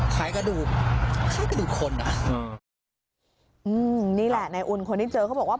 คล้ายกระดูกคล้ายกระดูกคนอ่ะอืมอืมนี่แหละนายอุ่นคนที่เจอเขาบอกว่า